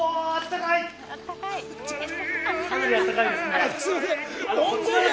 かなりあったかいですね。